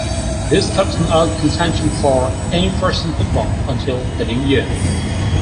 This kept him out contention for any first team football until the New Year.